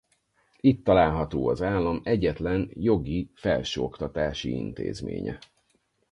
Itt található az állam egyetlen jogi felsőoktatási intézménye.